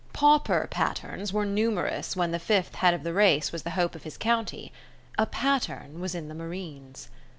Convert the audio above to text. Pauper Patternes were numerous when the fifth head of the race was the hope of his county. A Patterne was in the Marines.